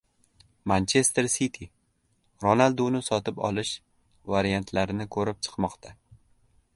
"Manchester Siti" Ronalduni sotib olish variantlarini ko‘rib chiqmoqda